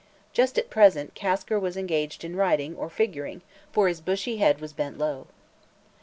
Just at present Kasker was engaged in writing, or figuring, for his bushy head was bent low.